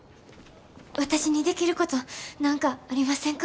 私にできること何かありませんか。